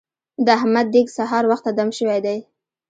د احمد دېګ سهار وخته دم شوی دی.